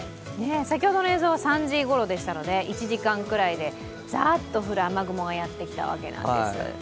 先ほどの映像は３時ごろでしたので、１時間ぐらいでザーッと降る雨雲がやってきたわけなんです。